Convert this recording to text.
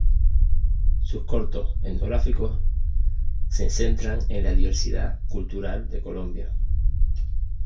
Sus cortos etnográficos, se centran en la diversidad cultural de Colombia.